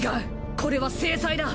これは制裁だ。